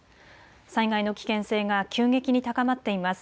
災害の危険性が急激に高まっています。